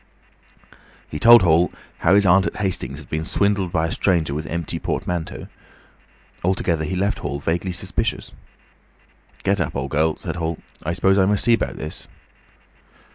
He told Hall how his aunt at Hastings had been swindled by a stranger with empty portmanteaux. Altogether he left Hall vaguely suspicious. "Get up, old girl," said Hall. "I s'pose I must see 'bout this."